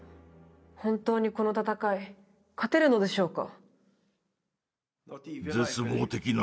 本当にこの戦い勝てるのでしょうか？